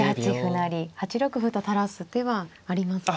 成８六歩と垂らす手はありますか。